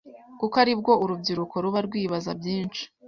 kuko aribwo urubyiruko ruba rwibaza byinshi